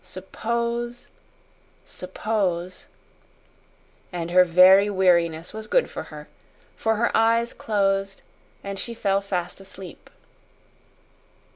Suppose suppose " And her very weariness was good to her, for her eyes closed and she fell fast asleep.